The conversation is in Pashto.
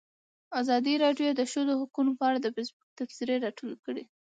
ازادي راډیو د د ښځو حقونه په اړه د فیسبوک تبصرې راټولې کړي.